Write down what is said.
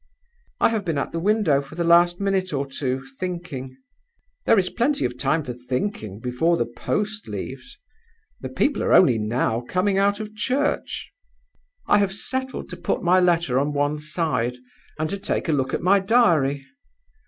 "I have been at the window for the last minute or two, thinking. There is plenty of time for thinking before the post leaves. The people are only now coming out of church. "I have settled to put my letter on one side, and to take a look at my diary.